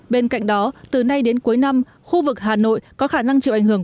bên cạnh đó từ nay đến cuối năm khu vực hà nội có khả năng chịu ảnh hưởng